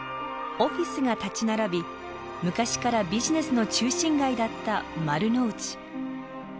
オフィスが立ち並び昔からビジネスの中心街だった丸の内。